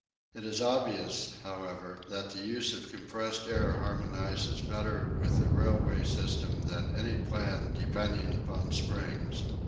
It is obvious, however, that the use of compressed air harmonises better with the railway system than any plan depending upon springs.